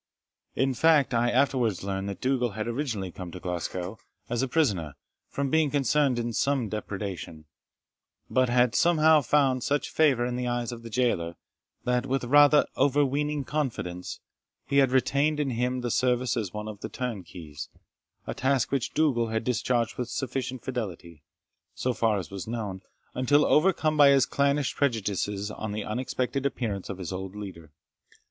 In fact, I afterwards learned that Dougal had originally come to Glasgow as a prisoner, from being concerned in some depredation, but had somehow found such favour in the eyes of the jailor, that, with rather overweening confidence, he had retained him in his service as one of the turnkeys; a task which Dougal had discharged with sufficient fidelity, so far as was known, until overcome by his clannish prejudices on the unexpected appearance of his old leader.